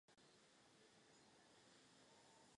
Tento způsob rezistence je naprosto ekologický.